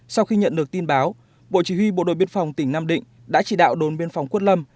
sau khi nhận được tin báo bộ chỉ huy bộ đội biên phòng tỉnh nam định đã chỉ đạo đồn biên phòng quất lâm